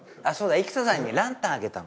生田さんにランタンあげたの。